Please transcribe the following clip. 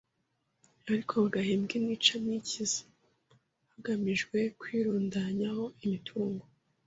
ariko bagahembwa intica ntikize hagamijwe kwirundanyaho imitungo